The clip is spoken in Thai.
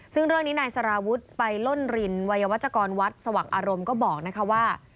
ซึ่งเรื่องนี้นายสารวุฒิไปล่นรินวัยวัชกรวัดสว่างอารมณ์ก็บอกนะคะว่า